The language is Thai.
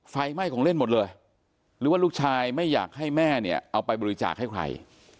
ไฟไหม้ของเล่นหมดเลยหรือว่าลูกชายไม่อยากให้แม่เนี่ยเอาไปบริจาคให้ใคร